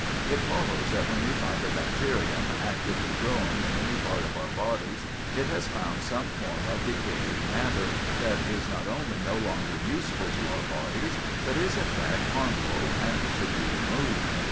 It follows that when we find a bacterium actively growing in any part of our bodies, it has found some form of decaying matter that is not only no longer useful to our bodies, but is in fact harmful and should be removed.